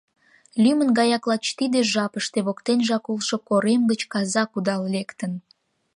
Лӱмын гаяк лач тиде жапыште воктенжак улшо корем гыч каза кудал лектын.